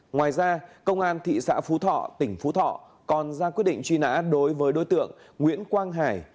ngoài ra công an thị xã phú thọ tỉnh phú thọ còn ra quyết định truy nã đối với đối tượng nguyễn quang hải